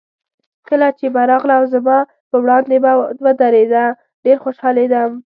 کله چې به راغله او زما په وړاندې به ودرېده، ډېر خوشحالېدم.